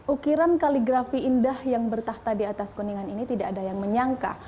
ukiran kaligrafi indah yang bertahta di atas kuningan ini tidak ada yang menyangka